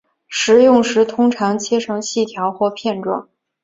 食用时通常切成细条或片状。